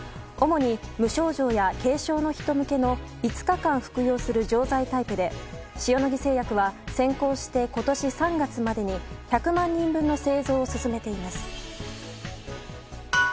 主に無症状や軽症の人向けの５日間服用する錠剤タイプで塩野義製薬は先行して今年３月までに１００万人分の製造を進めています。